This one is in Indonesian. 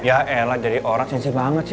ya elah jadi orang sensir banget sih lo